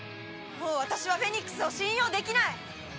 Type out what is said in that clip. もう私はフェニックスを信用できない！